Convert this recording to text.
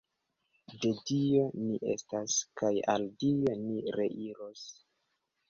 De Dio ni estas, kaj al Dio ni reiros.